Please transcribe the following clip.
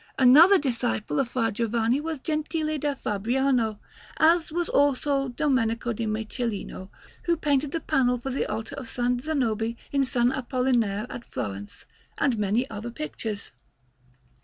Another disciple of Fra Giovanni was Gentile da Fabriano, as was also Domenico di Michelino, who painted the panel for the altar of S. Zanobi in S. Apollinare at Florence, and many other pictures.